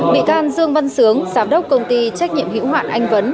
bị can dương văn sướng giám đốc công ty trách nhiệm hữu hoạn anh vấn